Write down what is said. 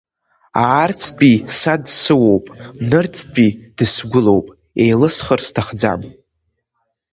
Аарцәтәи са дсыуоуп, нырцәтәи дысгәылоуп, еилысхыр сҭахӡам…